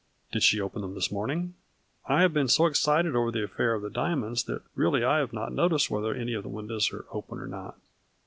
" Did she open them this morning ?"" I have been so excited over this affair of the diamonds that really I have not noticed whether any of the windows are open or not.